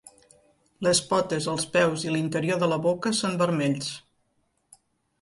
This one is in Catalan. Les potes, els peus i l'interior de la boca són vermells.